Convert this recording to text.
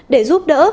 để giúp đỡ